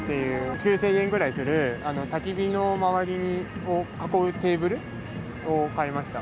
９０００円ぐらいするたき火の周りを囲うテーブルを買いました。